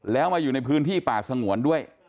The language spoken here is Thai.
แล้วมาอยู่ในพื้นที่ป่าสงวนด้วย